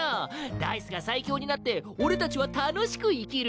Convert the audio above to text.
ダイスが最強になって俺たちは楽しく生きる